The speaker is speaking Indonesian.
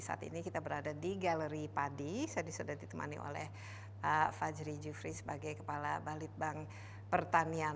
saat ini kita berada di galeri padi saya sudah ditemani oleh pak fajri jufri sebagai kepala balitbank pertanian